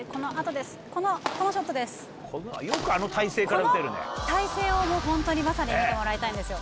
この体勢をホントにまさに見てもらいたいんですよ。